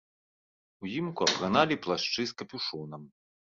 Узімку апраналі плашчы з капюшонам.